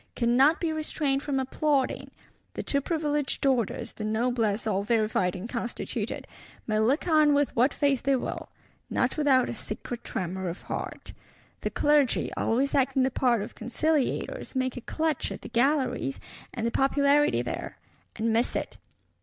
"cannot be restrained from applauding." The two Privileged Orders, the Noblesse all verified and constituted, may look on with what face they will; not without a secret tremor of heart. The Clergy, always acting the part of conciliators, make a clutch at the Galleries, and the popularity there; and miss it.